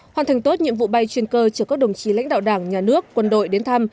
hoàn thành tốt nhiệm vụ bay chuyên cơ chở các đồng chí lãnh đạo đảng nhà nước quân đội đến thăm